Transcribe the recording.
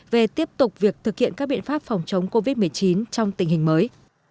về tiếp tục việc thực hiện các biện pháp phòng chống covid một mươi chín trong tình hình mới